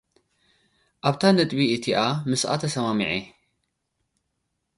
ኣብታ ነጥቢ እቲኣ ምስኣ ተሰማሚዔ።